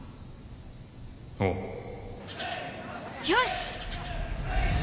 おうよし！